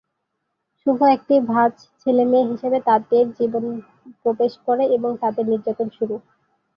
শুভ একটি ভাঁজ ছেলেমেয়ে হিসাবে তাদের জীবন প্রবেশ করে এবং তাদের নির্যাতন শুরু।